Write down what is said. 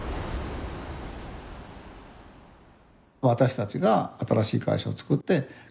私たちが新しい会社を作って。